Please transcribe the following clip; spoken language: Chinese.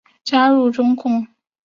加入中共。